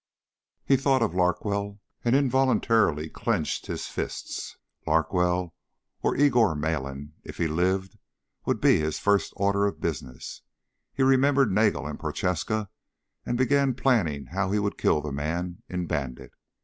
He thought of Larkwell and involuntarily clenched his fists. Larkwell, or Igor Malin if he lived would be his first order of business. He remembered Nagel and Prochaska and began planning how he would kill the man in Bandit.